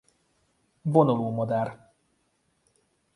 Vonuló madár.